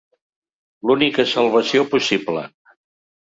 L'única salvació possible.